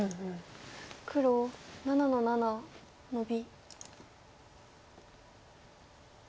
黒７の七ノビ。